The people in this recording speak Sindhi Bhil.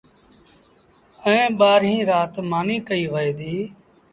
ائيٚݩ ٻآهريٚݩ رآت مآݩيٚ ڪئيٚ وهي ديٚ